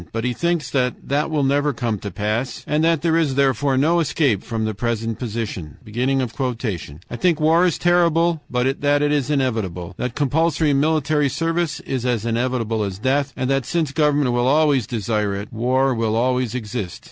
But he thinks that that will never come to pass, and that there is, therefore, no escape from the present position. "I think war is terrible, but that it is inevitable; that compulsory military service is as inevitable as death, and that since government will always desire it, war will always exist."